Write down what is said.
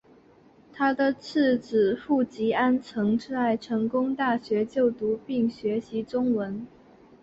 他的次子傅吉安曾在成功大学就读并学习中文。